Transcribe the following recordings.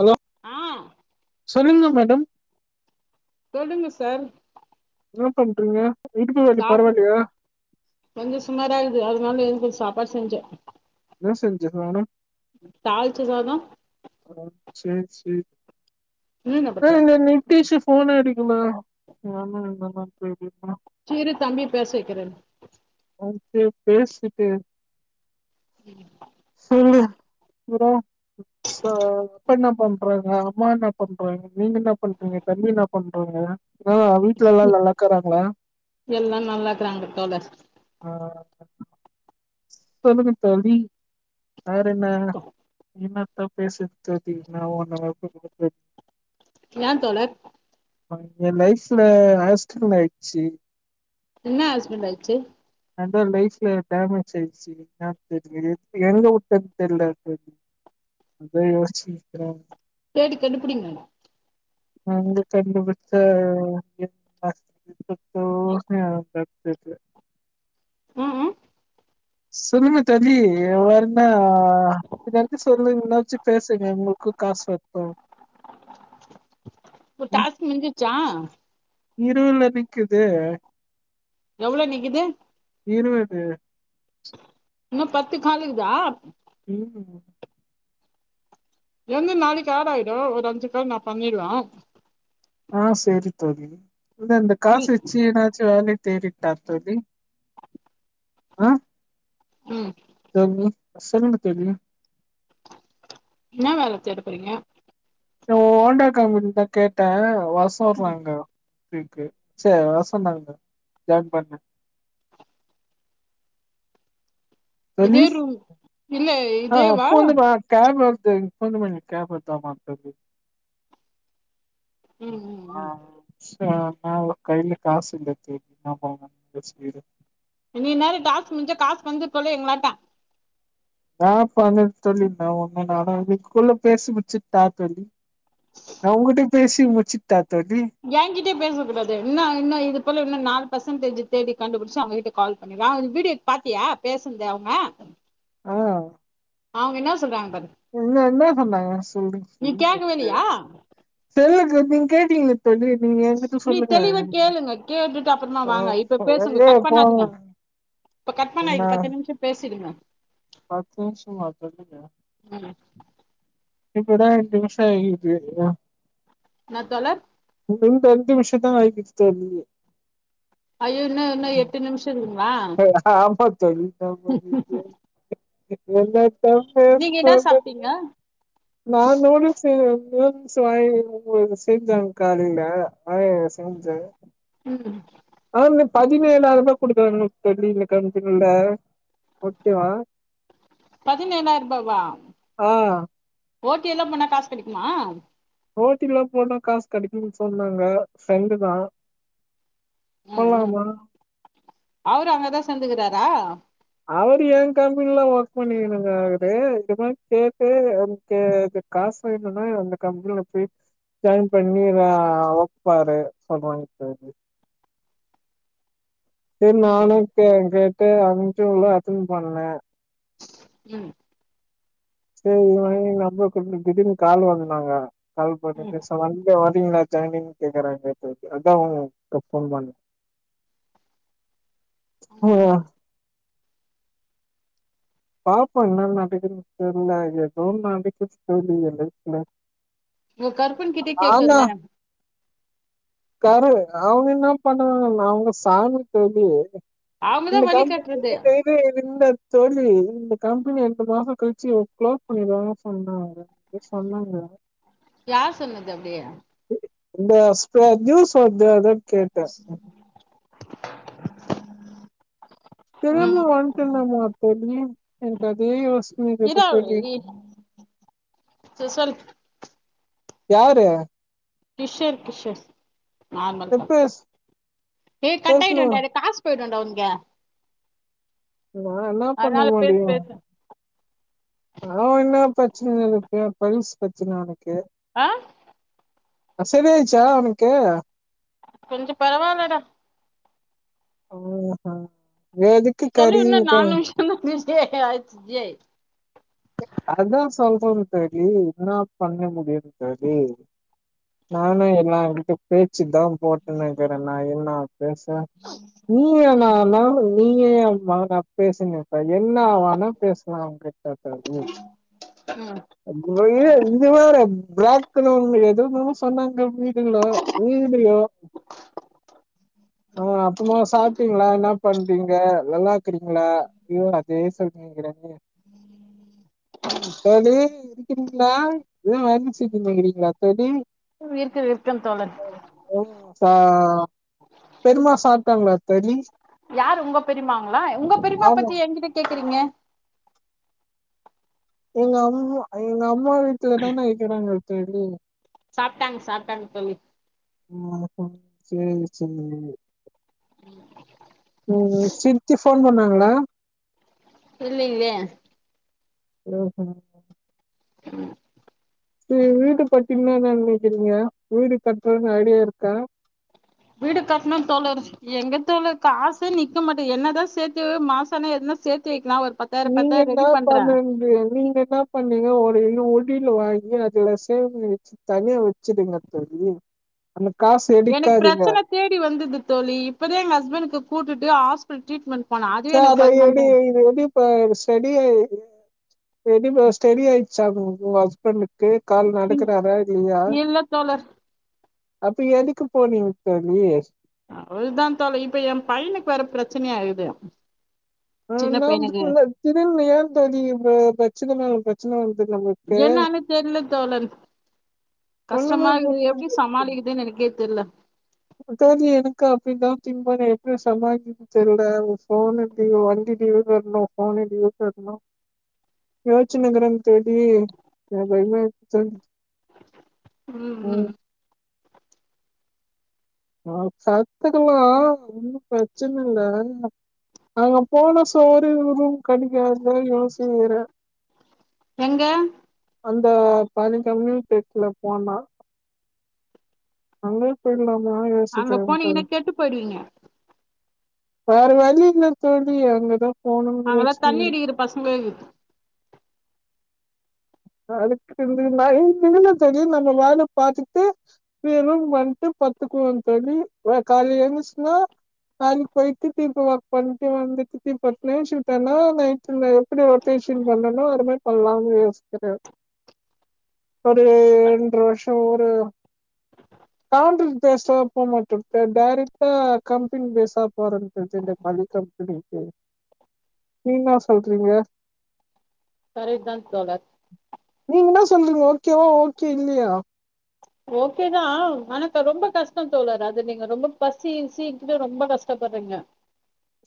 allow ம் சொல்லுங்கோ madam சொல்லுங்க சார் எனா பண்றீங்க இடுப்பு வலி சாப்பறே பரவாயில்லையா கொஞ்சோ சுமாரா இருக்குது அதுனால எதும் [unintelligible] சாபாடு செஞ்சே என்ன செஞ்ச [unintelligible] தால்ச்ச சாதோ ஓ சேர் சேர் மீன ஆ பட்ற ந நைட்டு ஷிப்ஃ போனா அடிக்குமா [unintelligible] [unintelligible] தம்பிய பேச வெக்கிறே‌ [unintelligible] சொல்லு அப்றொ ச அப்பா என்ன பண்றாங்க அம்மா என்ன பண்றாங்க நீங்க என்ன பண்றீங்க தம்பி என்ன பண்றாங்க ஆ வீட்ல எல்லா நல்லாக்கராங்களா எல்லா நல்லாக்குறாங்க தோழர் ஆ சொல்லுங்க தோழி வேறென்ன என்ன பேசு தோழி [unintelligible] ஏன் தோழர் ஏன் லைஃப்ல ஆக்ஸ்டன்ட் ஆயிட்ச்சு என்ன ஆக்ஸ்டன்ட் ஆச்சு [unintelligible] லைஃப்ல டேமேஜ் ஆச்சு [unintelligible] எதுல உட்டன் தெர்ல அதா யோசிச்சுட்ருக்கே தேடி கண்டுபிடிங்க [unintelligible] ம் ம் சொல்லு [unintelligible] ஆ எதாச்சி சொல்லுங்னாச்சி பேசுங்க உங்ளுக்கு காசு வரட்டு உங்க ம் டாஸ்க் முஞ்சிருச்சா இருவதுல நிக்குது எவ்ளோ நிக்குது இருவது இன்னு பத்து காலிக்குதா [unintelligible] என்து நாளைக்கு ஆடா யிடு ஒரு அஞ்சு கால் நா பண்ணிருவே ஆ சேரி தோழி இ இந்த காசு ம் வெச்சு எதாச்சு வாங் தேறிட்டா தோழி ஆ ம் [unintelligible] சொல்லுங்க தோழி ன்னா வேல தேடப்போறீங்க இந்த ஓண்டா கம்பெணிதா கேட்டே வர சொல்றாங்க இருக்கு சேரி வர சொன்னாங்க ஜாயின் பண்ண தோழி இதே ரூம் இல்ல ஆ ஆ இதேவா ஃபோனு [unintelligible] கேப் வந்திருக் [unintelligible] ம் ம் ஆ ஆ ம் ஆ அவ கைல காசில்ல தோழி [unintelligible] இன்னைக்கி நேரோ டாஸ்க் முடிஞ்சா காசு வந்து தொலையு எங்களாட்ட நான் பண்ணேன் சொல்லிட்டே நா ஒண்ணும் நானா அதுக்குள்ள பேசி முடிச்சுட்டா தோழி நான் உங்கிட்டயு பேசி முடிச்சுட்டா தோழி ஏங்கிட்டேயே பேசக் கூடாது இன்னு இன்னும் இது போல இன்னு நாலு பர்சன்டேஜ் தேடி கண்டுபிடிச்சு அவுங்க கிட்ட கால் பண்ணி நா ஒரு வீடியோ பாத்தியா பேசுனத அவுங்க அவுங்க என்னா சொல்றாங்க பாரு என்னா என்ன சொன்னாங்க சொல்லு நீ கேக்கவே தெர் இல்லையா தெர்லங்க நீங் கேட்டீங்ளே நீ தெளிவா கேளுங்க கேட்டுட்டு அப்றமா வாங்க இப்ப பேசுங்க வெளிய கட் போங்க பண்ணாதீங்க இப்ப கட் என்ன பண்ணாதீங்க பத்து நிமிஷம் பேசிடுங்க பத்து நிமிஷமா ம் [unintelligible] இப்பதா ரெண்டு நிமிஷோ ஆயிருக்கு ஏ என்ன தோழர் நிமிஷந்தா ஆயிகிச்சு தோழி ஐயோ இன்னு இன்னு எட்டு நிமிஷோ இருக்குங்களா ஆமா தோழி ஆமா [inaudible] என்னத்த நீங்க என்ன பேசுறது சாப்ட்டீங்க நா நூடுல்ஸ் செய்வே நூடுல்ஸு வாங் [unintelligible] செஞ்சாங்க காலையில நானே சம்ச்சே ம் ஆம் நீ பதினேழாயிரரூபா குடுக்கனு இன்னு எப்டி இந்த காமிக்கிறல ஓகேவா பதினேழாயிர் ரூபாவா ஆ ஓட்டி எல்லா பண்ணா காஸ் கெடைக்மா ஓட்டில்லா போனா காசு கெடைக்கும்னு சொன்னாங்க ஃப்ரெண்டுதா ம் ம் போலாமா அவரு அங்கதா சேந்துக்கிறாரா அவரு ஏ கம்பெனில்ல ஒர்க் பண்ணின்னுங்கிறாரு இதுதா கேட்டு அதுக்கு காசு வேணும்ன்னா அந்த கம்பெனில போ ஜாய்ன் பண்ணி அ ஒர்க் பாரு சொல்றாங்க தோழி செரி ம் நானு கே கேட் ட்டு அந்த இன்ட்ரியுலா அட்டன் பண்ணே உம் சரி நா எங்க அப்பா கூட்னு போய்ட்டு இன்னிக்கு கால்ல வந்தாங்க கால் ம் பண்ணுங்க சோ வந்து வரீங்களா ஜாய்னிங் கேக்குறாங்க தோழி அதா உங்களுக்கு நா ஃபோன் பண்ணே ஓ பாப்போம் என்ன நடக்குதுனு தெர்ல ஏதோ நடக்குது தோழி ஏ லெஃப்ல உங்க கருப்பன் கிட்டயே கேக்கர்தான கரு அவுங்க என்னா பண்ணுவாங்க அவுங்க சாமி தோழி அவங்கதா இந்த வழி கம்பெனி காட்டுறது [unintelligible] தோழி இந்த கம்பெனி ரெண்டு மாச கழிச்சு ஒர்க் குளோஸ் பண்ணிருவாங்கன் சொல்றாங்க எத் சொன்னாங்களா யார் சொன்னது அப்டியே இந்த அஸ்ப நியூஸ் வந்தது கேட்டே தெரியாம வந்ட்ருந்தமா தோழி எனக்கு அதே யோச இதா அவள் ஐ டி சேரி சொல்லு யாரு கிஷோரு கிட்ஷூஸ் ஆமாங் பேச தோழ் பேசணும் வேண்டா உங்க நா என்னா பண்ண முடியு பேசு அவவ என்ன பிரச்சனைங்க இருக்கு போலீஸ் பிரச்சன ஒனக்கு ஆ அ செரி ஆயிர்ச்சா அவனுக்கு கொஞ்ச பரவால்லடா அவ்க எதுக்கு கரியவுக்கு ஏ ஹே ஆய்ர்ச்சு இன்ஜே அதா சொல்றேனுங் தோழி என்னா பண்ண முடியும் தோழி நானு எல்லா எடுத்து போய் ச்சித்தா போட்ட நெனைக்கிறே நா என்னா பேச நீயே ம் நானா நீயே நாந்தா பேசுங்க அ என்னாவேனா பேசலா அவ்ங்கிட்ட [unintelligible] அதுக்கு ம் முன்னாடியே இந்த வேற [unintelligible] எது எதுவோ சொன்னாங்க வீடுலோ வீடியோ ஆ அப்பமா சாப்ட்டீங்ளா என்ன பண்றீங்க நல்லாக்குறீங்ளா யோ அதே சொல்ட் இங்கிற [unintelligible] ந்த எதோ வேல செஞ்சினு இருக்கீங்லா தோழி இருக்குது இருக்குன்னு தோழர் ஆ பெருமா சாப்ட்டாங்ளா தோழி யாரு உங்க பெரிமாங்லா உங்க பெரிமா ஆமா பத்தி என்கிட்ட கேக்கறீங்க எங்க அம்மா எங்க அம் அம்மா வீட்லதான இக்கிறாங்க தெர்லிங் சாப்ட்டாங்க சாப்ட்டாங்க தோழி ஆஹு சேரி சேரி உம் சிர்திப் ஃபோன் பண்ணாங்களா இல்ங்களே ஓஹ சரி வீடு பத்தியின்னா நினைக்கிறீங்க வீடு கட்டுறது ஐடியா இருக்கா வீடு கட்டண தோலர் எங்கத் தோலர் காசு நிக்கமாட்டேகு என்னதா சேர்த்து மாசம்னா எதுனா சேர்த்து வைக் நீங்க என்ன பண்னனிங்க நீங்க என்ன பண்ணீங்க ஒரு உண்டில் வாங்கி அதுல சேமிச்சு தனியா வச்சுடுங்க தோல்லி அந்த காசு எனக்கு எடுக்காதீங்க பிரச்சன தேடி வந்தது தோழி இப்பதா எங்க ஹஸ்பெண்ட் க்கு கூட்டுட்டு ஹாஸ்பிடல் டிரிட்மெண்ட் சேர் அது எடி இது எடிப்பா செடியார் ஏபடிமா ஸ்டெடி ஆயடுச்சா உங்க ஹஸ்பண்டுக்கு கே கால் இல் நடக்கறறா இல்லையா இல்ல தோழர் அப்ப எதுக்கு போனிங்க தோழி அவள்தா தோலி இப்ப எ பையனுக்கு வேற பிரச்சனையாகிது ஆஹ் நான் த ஏன் [unintelligible] பச்சினம்ம பிரச்சனய் என்னன்னு தெரியல தோழர் ஒண்ணுமே கஷ்டமா இக்குது புரியல எப்படி சமாளிக்குதுன்னு எனக்கே தெல்ல தேழி எனக்கு அப்படி தா திம்ப எப்பும் சமாளதிக்கு தெரியல ஃபோன் டியூ வண்டு டியூ கட்ணு போனு டியூ கட்ணு யோச்சினுகிரன் தோழி என பயமா இருக்க தோழி உஹம் உம் ம் ஆஹ் கத்துக்கலா ஒன்னு பிரச்சன இல்ல அங்க போன சோரு ரூம் கணிக்கதயோசிகிற எங்க அந்த பன கம்யூக்கேர்தல போனா அங்க அங்க யோசிக்கிறேன் போனீங்கன்னா கேட்டு போயிடுவீங்க வேரவலி இல்ல தோலி அங்கத அங்கலா தண்ணி அடிக்கிற பசங்கலேக் அதுக்கு [unintelligible] சரினு நம்ம வேல பாாரத்துட்டு ரூம் வண்டு பத்துக்குவம் தோலி [unintelligible] காளைக் போயிட்டு தீர்பி ஒர்க் பண்ணிட்டு வந்துட்டு திரிப்பின் மேன்ஷ்ன் தேடன நைடுல எப்படி ஒருட்டேஷூன் பண்ணனோ அத மாரி பண்ணல இப்போ ஒரு இரண்டர வருஷோ ஒரு கவுண்ட்ர் பேஸ்டா போக மாட்டும் டைரெக்டா கம்பெனி பேஸ்சா போறேன்து இந்த பள்ளிய கம்பெனிக்கு நீன சொல்றீங்க சரி தான் தோலர் நீங்கலே சொல்லுங்க ஓகேவ ஓகே இல்லையா ஓகேதா ஆனக்கு ரொம்ப கஷ்டோ தோழற் அது நீங்க ரொம்ப பசி கிசிங்க ரொம்ப கஷ்டப்படுறிங்க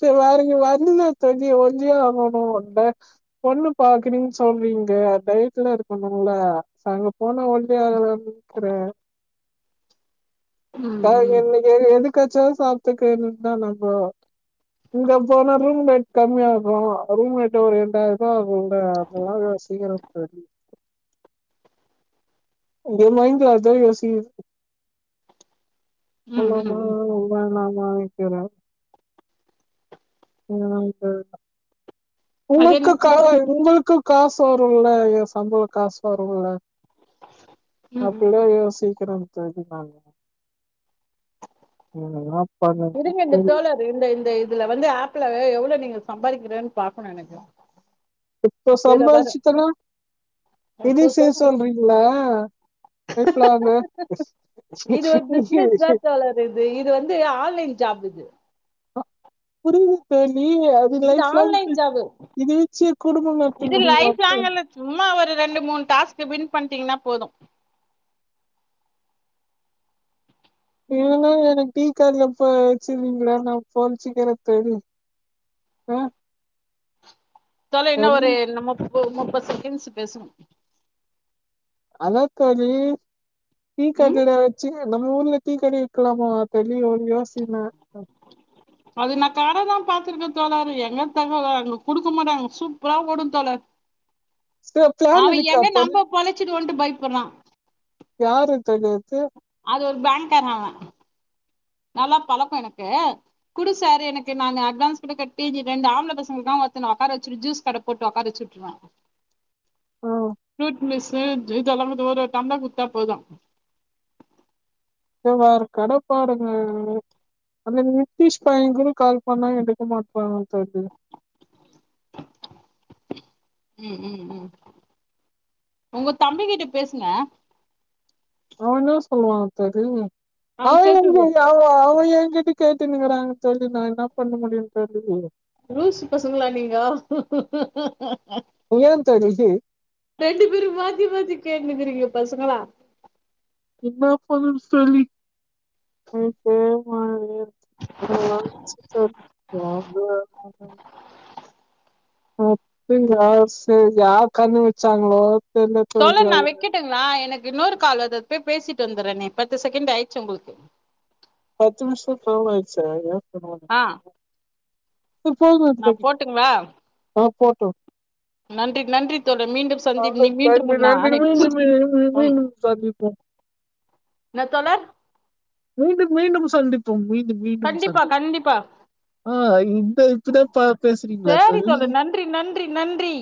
சரிங்க [unintelligible] ஆகணும் வந்த பொண்ணு பாக்குறீங்கு சொல்றீங்க டயட்ல இருக்கணும்ல சோ அங்க போனா [unintelligible] அகலக்கிறேன் ம் ம் [unintelligible] எனக்கு எதுக்காச்சாவு சாப்பித்துக்கு வேண்டியதுதா நம்ம இங்க போனா ரூம்ரேட் கம்மியா அகு ரூம்மேரட் ஒரு இரண்டாயிரம் ரூபா அஉம்ள்ள அந்த யோசீக்கிண்ப்ப ஏ மைண்ட்ல அத யோசிக்கர ம் அவல்லோ தா ம் ம் ஆவுன்னு நன நினக்கிற ஆம அது என்ன உங்களுக்கு கா சிக்கன் உங்களுக்கு காசு காசோறு இல்ல சம்பளோ காசு வரவும் இல்ல ம் ம் அப்பில்ல யோசி [unintelligible] ஈவினிங்கா இருங்க இந்த தோழர் இந்த இந்த இது இதுல வந்து ஆப்ல எவ்ளோ நீங்க சம்பாதிக்கறிகன்னு பாக்கணு எனக்கு இப்போ இதுல வரும் சம்பாதிச்சுதுனா இதுவு டூ சேத்து தௌசண்ட் சொல்றீங்களா லைஃப் லாங் இது ஒரு பிஸ்னஸ் தா தோழரு இது இது வந்து ஆன்லைன் ஜாப் இது ஆ புரியுது தோழி அது இது லைஃப்லாங்கு ஆன்லைன் ஜாப் இது வெச்சை குடும்போ நடத்த இது முடியுமா லைஃப் தோ லாங் இல்ல சும்மா ஒரு ரெண்டு மூணு டாஸ்க் வின் பண்ணீடீங்கன்னா போதோ ஏன்னா எனக்கு டீக்கடையில போய் வெச்சிருவீங்களா நா பொழச்சிக்கிறே தோழி ஆஹ இத்தால என்ன ஒரு நம்மோ இப்ப ஒரு முப்பது செகண்ட்ஸ் பேசணு ஹாலோ தோழி டீ ம் கடையில வெச்சி நம்ம ஊர்ல டீ கட வெக்கலாமா தோழி ஒரு யோசன அது நா கட தா பாத்திருக்கே தோழர் எங்க தோழர் இங்க குடுக்க மாட்டாங்க சூப்பரா ஓடும் தோழர் சிஸ்டர் ப்ளான் இருக்கா பாரு வேன்டு பயப்பட்றா யாரு தோழி அது அது ஒரு பேங்க் கார அவே நல்லா பழக்கோ எனக்கு குடுசாரு எனக்கு நாங்க அட்வான்ஸ் கூட கட்டிட்ற ரெண்டு ஆம்ள பசங்க தா ஒக்கார வெச்சி ஜூஸ் கட போட்டு ஒக்கார வெச்சு விட்டுருவே ஆ ஃப்ரூட் மிக்சு இதெல்லா வந்து ஒரு ஒரு டம்லர் குடுத்தா போதோ வேற கடப்பாருங்க அந்த நிதிஷ் பையன் கூட கால் பண்ணா எடுக்க மாற்றா தோழி உம் உம் உம் உங்க தம்பி கிட்ட பேசுங்க அவே என்ன சொல்லுவான் தோழி அவன அவே சேத்து எங்க விடுவோ அவே அவே எயா கிட்டக்கேக் படுத்துனுருக்குறங் தோழி நா இன்னா பண்ண முடியு தோழி லுசு பசங்களா நீங்கோ எயா தோழி சுத்தினுருக்கிறீங்களே பசுங்களா என்ன பண்ணனு தோழி மனசே ஒரு மாரியா இருக்கு [inaudible] [unintelligible] சேரி யார் கண்ணு வெச்சாங்கலோ தோழர் நா வெக்கட்டுங்களா எனக்கு இன்னொரு கால் அது அது போய் பேசிட்டு வந்துறேனே பத்து செகேண்ட் ஆயிடுச்சு உங்களுக்கு பத்து நிமிஷ்ஷோ போல ஆய்டுச்சா அதே சேரி ஆ ஓகே இது போதுமா இந்த நா தண்ணி போட்டுங்களா டே நன்றி நன்றி தோழர் மீண்டும் சந்திப் மீ மீண்டும் நன்றி நன்றி நானே, மீண்டும் மீண்டும் ம், மீண்டும் சந்திப்போம் என்ன தோழர் மீண்டும் மீண்டும் சந்திப்போம் மீ மீண்டும் மீண்டும் கண்டிப்பா சந்திப் கண்டிப்பா ஆ இந்த இப்டிதா ப பேசுவீங்ளா சேரி தோழி தோழர் நன்றி நன்றி நன்றி